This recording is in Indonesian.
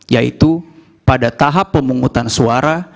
yaitu pada tahap pemungutan suara